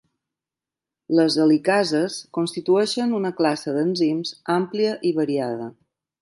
Les helicases constitueixen una classe d’enzims àmplia i variada.